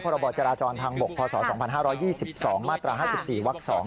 พรบจราจรทางบกพศ๒๕๒๒มาตรา๕๔วัก๒